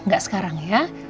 gak sekarang ya